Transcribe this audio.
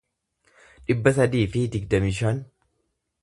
dhibba sadii fi digdamii shan